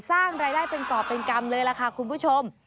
สร้างรายได้เป็นกรอบเป็นกรรมเลยล่ะค่ะคุณผู้ชม